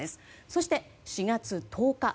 そして４月１０日